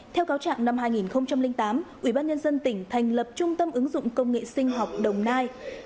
theo cáo trạng năm hai nghìn tám ubnd tỉnh thành lập trung tâm ứng dụng công nghệ sinh học đồng nai